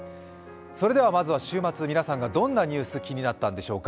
まずは週末、皆さんがどんなニュース気になったんでしょうか。